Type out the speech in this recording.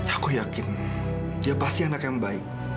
aku yakin dia pasti anak yang baik